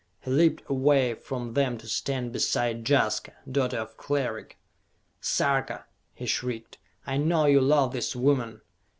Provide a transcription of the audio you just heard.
He leaped away from them to stand beside Jaska, daughter of Cleric. "Sarka," he shrieked, "I know you love this woman!